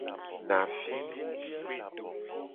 Navi.